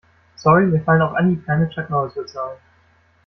Sorry, mir fallen auf Anhieb keine Chuck-Norris-Witze ein.